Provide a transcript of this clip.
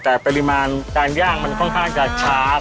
แต่ปริมาณการย่างมันค่อนข้างจะช้า